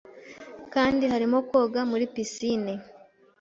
kandi harimo koga muri pisine